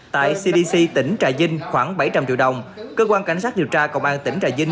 tại cdc tỉnh trà vinh khoảng bảy trăm linh triệu đồng cơ quan cảnh sát điều tra công an tỉnh trà vinh